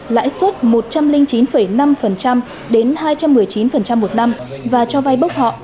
lãi suất một trăm linh chín năm đến hai trăm một mươi chín một năm và cho vay bốc họ